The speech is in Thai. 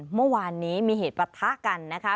เมื่อวานนี้มีเหตุประทะกันนะคะ